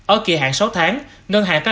ở kỳ hạng sáu tháng ngân hàng có lãi suất huy động